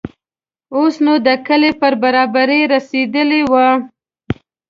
اوس نو د کلي پر برابري رسېدلي وو.